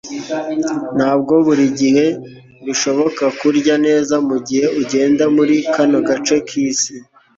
Ntabwo buri gihe bishoboka kurya neza mugihe ugenda muri kano gace kisi